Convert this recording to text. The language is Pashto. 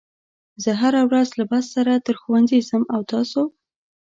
زه هره ورځ له بس سره تر ښوونځي ځم او تاسو